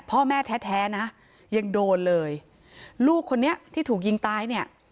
พ่อแม่แท้แท้นะยังโดนเลยลูกคนนี้ที่ถูกยิงตายเนี่ย